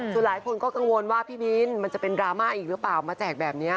ส่วนหลายคนก็กังวลว่าพี่บินมันจะเป็นดราม่าอีกหรือเปล่ามาแจกแบบนี้